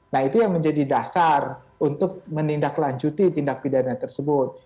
nah itu yang menjadi dasar untuk menindaklanjuti tindak pidana tersebut